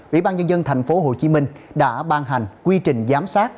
ủy ban nhân dân tp hcm đã ban hành quy trình giám sát